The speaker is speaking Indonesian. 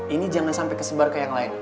ini jangan sampai kesebar ke yang lain